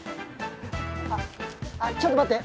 あちょっと待って。